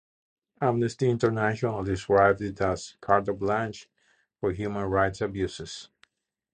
Amnesty International described it as "carte blanche" for human rights abuses.